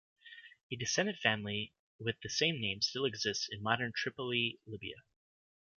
A descendant family with the same name still exists in modern Tripoli-Libya.